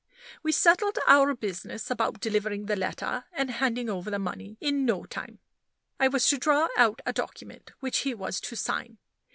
We settled our business about delivering the letter, and handing over the money, in no time. I was to draw out a document, which he was to sign.